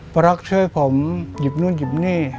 ปรักช่วยผมหยิบนู่นหยิบนี่